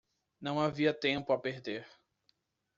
Não havia tempo a perder.